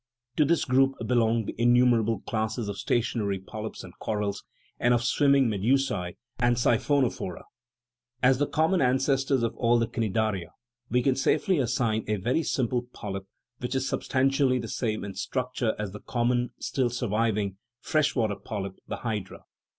To this group belong the innumerable classes of stationary polyps and corals, and of swim ming medusa3 and siphonophora. As the common an cestor of all the cnidaria we can safely assign a very sim ple polyp, which is substantially the same in structure as the common, still surviving, fresh water polyp the hydra.